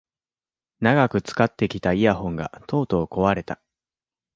長く使ってきたイヤホンがとうとう壊れた